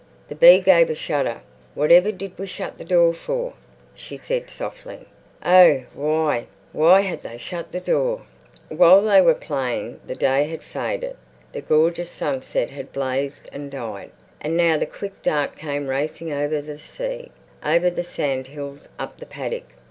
The bee gave a shudder. "Whatever did we shut the door for?" she said softly. Oh, why, why had they shut the door? While they were playing, the day had faded; the gorgeous sunset had blazed and died. And now the quick dark came racing over the sea, over the sand hills, up the paddock.